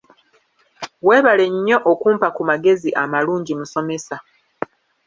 Webale nnyo okumpa ku magezi amalungi musomesa.